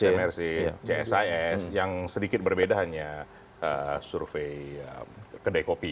cmrc csis yang sedikit berbeda hanya survei kedai kopi